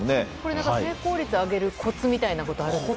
成功率を上げるコツみたいなものはありますか？